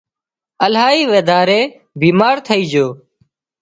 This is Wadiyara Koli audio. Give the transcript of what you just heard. الاهي وڌاري بيمار ٿئي جھو